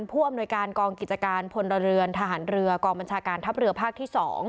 ผู้อำนวยการกองกิจการพลเรือนทหารเรือกองบัญชาการทัพเรือภาคที่๒